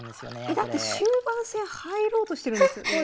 えだって終盤戦入ろうとしてるんですよね？